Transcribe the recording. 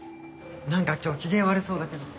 なんか今日機嫌悪そうだけど。